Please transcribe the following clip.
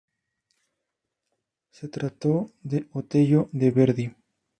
Se trató del "Otello" de Verdi.